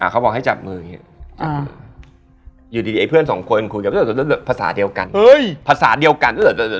เขาบอกให้จับมืออย่างนี้อยู่ดีไอ้เพื่อนสองคนคุยแบบภาษาเดียวกัน